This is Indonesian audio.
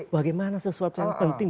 bagaimana sesuatu yang penting